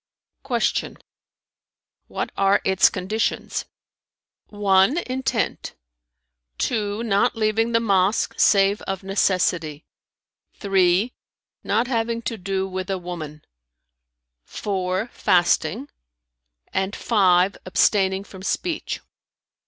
Q "What are its conditions?" "(1) intent; (2) not leaving the mosque save of necessity; (3) not having to do with a woman; (4) fasting; and (5) abstaining from speech."